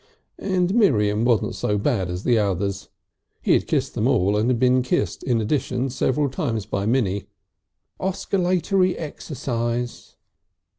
And Miriam wasn't so bad as the others. He had kissed them all and had been kissed in addition several times by Minnie, "oscoolatory exercise."